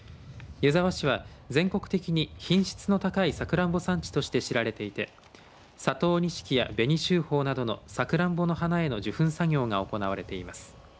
湯沢市は全国的に品質の高いさくらんぼ産地として知られていて佐藤錦や紅秀峰などのさくらんぼの花への授粉作業が行われています。